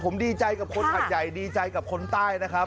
ผมดีใจกับคนหัดใหญ่ดีใจกับคนใต้นะครับ